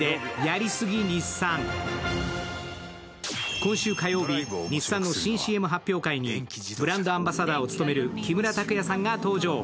今週火曜日、日産の新ＣＭ発表会にブランドアンバサダーを務める木村拓哉さんが登場。